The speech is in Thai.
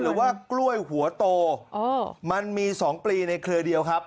หรือว่ากล้วยหัวโตมันมี๒ปลีในเครือเดียวครับ